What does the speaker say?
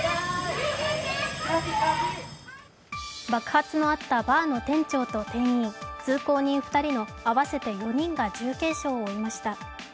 爆発のあったバーの店長と店員、通行人２人の合わせて４人が重軽傷を負いました。